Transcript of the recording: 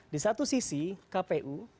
di satu sisi kpu